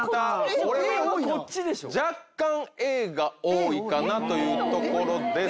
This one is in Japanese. これは。若干Ａが多いかなというところです。